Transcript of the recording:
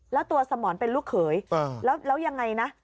แล้วตัวสมรเป็นลูกเขยแล้วยังไงนะ